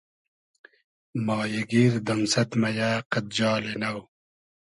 مایی گیر دئمسئد مئیۂ قئد جالی نۆ